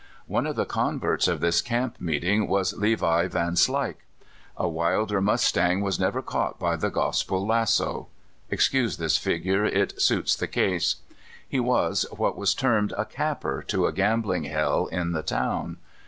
One of the converts of this camp meeting wai^ Levi Vanslyke. A wilder mustang was never caught by the gospel lasso. (Excuse this figure — it suits the case.) He was what was termed a "capper" to a gambling hell in the town.